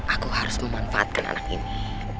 aku harus memanfaatkan anak ini